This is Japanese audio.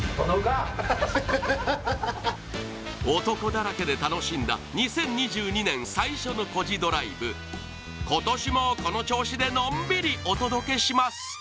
男だらけで楽しんだ２０２２年最初のコジドライブ今年もこの調子でのんびりお届けします